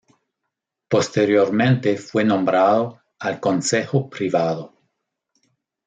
Posteriormente fue nombrado al Consejo Privado.